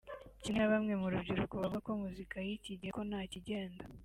kimwe na bamwe mu rubyiruko bavuga ko muzika y’iki gihe ko ntakigenda